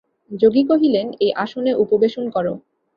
যোগী কহিলেন, এই আসনে উপবেশন কর।